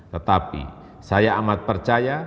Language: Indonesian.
tetapi saya amat percaya